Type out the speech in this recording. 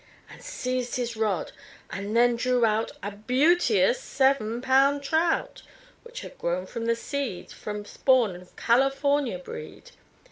And seized his rod and then drew out A beauteous seven pound trout, Which had grown from the seed From spawn of California breed.